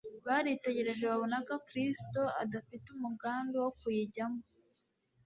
baritegereje babona Kristo asa n'udafite umugambi wo kuyijyamo.